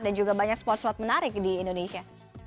dan juga banyak spot spot menarik di indonesia